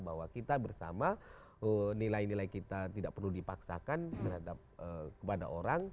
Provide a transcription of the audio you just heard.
bahwa kita bersama nilai nilai kita tidak perlu dipaksakan terhadap kepada orang